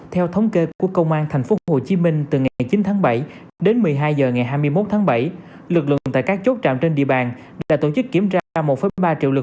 theo thống kê của công an tp hcm từ ngày chín tháng bảy đến một mươi hai giờ ngày hai mươi một tháng bảy lực lượng tại các chốt trạm trên địa bàn đã tổ chức kiểm tra một ba triệu lực phương tiện và một năm triệu người